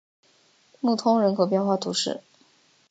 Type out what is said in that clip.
穆通人口变化图示